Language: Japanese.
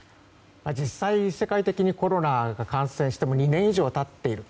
実際、世界的にコロナの感染が始まって２年以上経っている。